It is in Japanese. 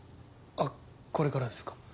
あっこれからですか？